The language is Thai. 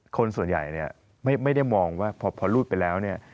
คนส่วนใหญ่เนี่ยไม่ได้มองว่าพอรูดไปแล้วเนี่ย